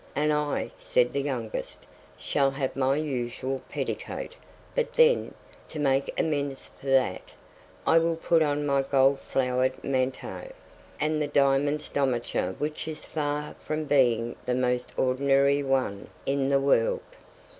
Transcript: "And I," said the youngest, "shall have my usual petticoat; but then, to make amends for that, I will put on my gold flowered manteau, and my diamond stomacher, which is far from being the most ordinary one in the world."